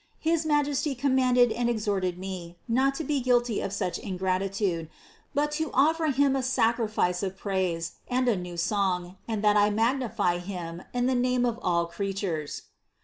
His Majesty com manded and exhorted me not to be guilty of such in gratitude, but to offer Him a sacrifice of praise, and a new song, and that I magnify Him in the name of all creatures.